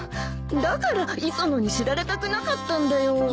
だから磯野に知られたくなかったんだよ。